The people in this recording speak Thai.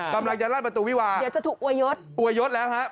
กำลังจะล่านประตูวีวาจะถูกอวยยดแล้วครับ